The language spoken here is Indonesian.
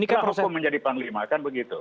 setelah hukum menjadi panglima kan begitu